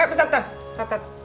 eh bentar bentar